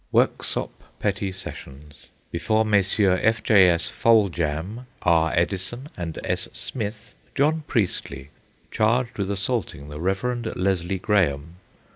Worksop Petty Sessions. Before Messrs. F. J. S. Foljambe, R. Eddison, and S. Smith. John Priestley, charged with assaulting the Rev. Leslie Graham.